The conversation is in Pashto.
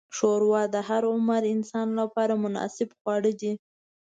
ښوروا د هر عمر انسان لپاره مناسب خواړه ده.